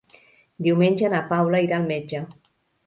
Diumenge na Paula irà al metge.